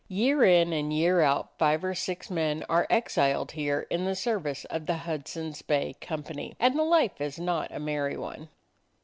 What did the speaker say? Year in and year out, five or six men are exiled here in the service of the Hudson's Bay Company, and the life is not a merry one.